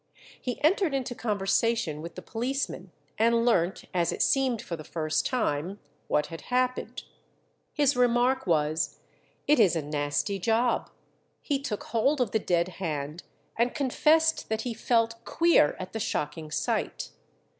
He entered into conversation with the policemen, and learnt, as it seemed for the first time, what had happened. His remark was, "It is a nasty job;" he took hold of the dead hand, and confessed that he felt "queer" at the shocking sight.